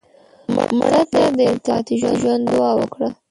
مړه ته د تلپاتې ژوند دعا وکړه